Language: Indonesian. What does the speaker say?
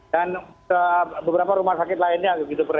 dan beberapa rumah sakit lainnya